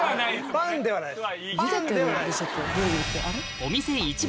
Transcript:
パンではないです。